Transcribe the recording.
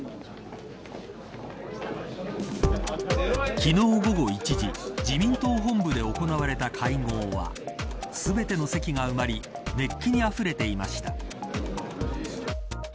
昨日午後１時自民党本部で行われた会合は全ての席が埋まり熱気にあふれていました。